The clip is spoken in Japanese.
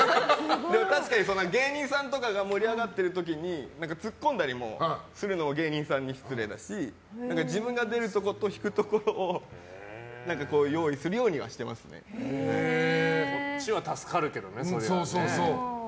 確かに芸人さんが盛り上がってる時にツッコんだりするのは芸人さんに失礼だし自分が出るところと引くところをこっちは助かるけどね、それは。